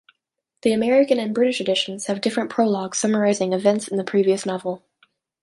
The American and British editions have different prologues summarizing events in the previous novel.